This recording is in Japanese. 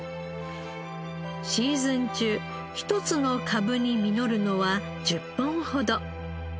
シーズン中一つの株に実るのは１０本ほど。